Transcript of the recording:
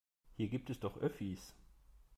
Hier gibt es doch Öffis.